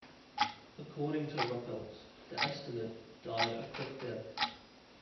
According to Ruppelt, "The "Estimate" died a quick death.